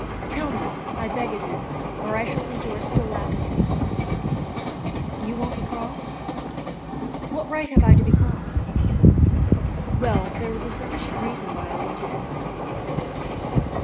"Tell me, I beg of you, or I shall think you are still laughing at me." "You won't be cross?" "What right have I to be cross?" "Well, there was a sufficient reason why I went in alone."